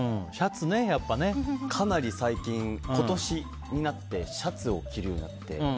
かなり最近、今年になってシャツを着るようになって。